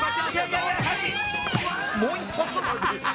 もう一発